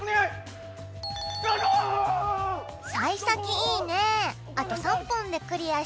「さい先いいね」